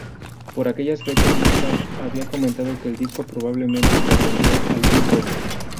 Por aquellas fechas Richard había comentado que el disco probablemente contendría algún cover.